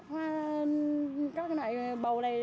hoa các loại bầu này